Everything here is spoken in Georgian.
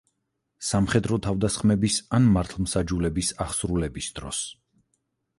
სამხედრო თავდასხმების ან მართლმსაჯულების აღსრულების დროს.